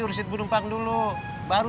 kamu kayak jangan kebaikan aja